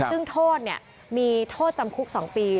ซึ่งโทษมีโทษจำคุก๒ปี